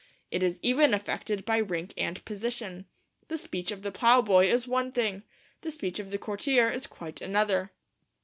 It is even affected by rank and position; the speech of the plough boy is one thing, the speech of the courtier is quite another.